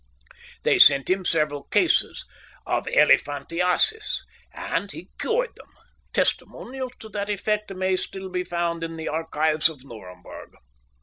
They sent him several cases of elephantiasis, and he cured them: testimonials to that effect may still be found in the archives of Nuremberg.